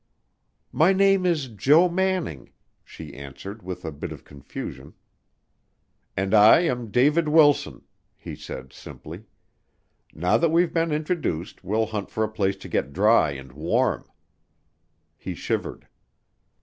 "My name is Jo Manning," she answered with a bit of confusion. "And I am David Wilson," he said simply. "Now that we've been introduced we'll hunt for a place to get dry and warm." He shivered.